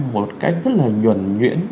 một cách rất là nhuẩn nhuyễn